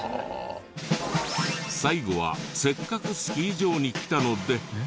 最後はせっかくスキー場に来たので。